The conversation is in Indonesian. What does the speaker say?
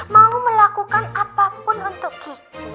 mau melakukan apapun untuk kita